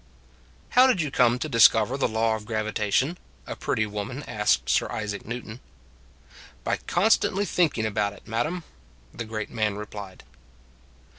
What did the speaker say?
" How did you come to discover the law of gravitation?" a pretty woman asked Sir Isaac Newton. " By constantly thinking about it, madam," the great man replied.